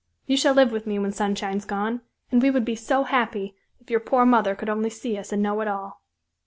You shall live with me when Sunshine's gone; and we would be so happy, if your poor mother could only see us and know it all."